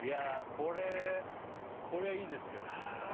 これこりゃいいですよ